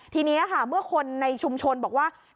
ทีนี้ค่ะเมื่อคนในชุมชนบอกว่า